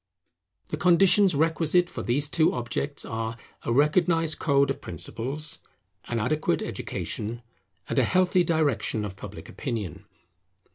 The conditions requisite for these two objects are, a recognized Code of principles, an adequate Education, and a healthy direction of Public Opinion.